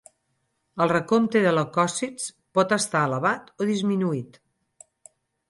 El recompte de leucòcits pot estar elevat o disminuït.